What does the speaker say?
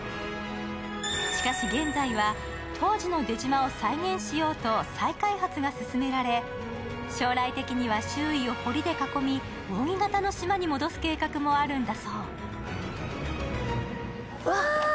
しかし現在は当時の出島を再現しようと再開発が進められ将来的には周囲を堀で囲み扇形の島に戻す計画もあるんだそう。